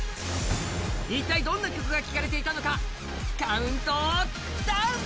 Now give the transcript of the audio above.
一体、どんな曲が聴かれていたのかカウントダウン！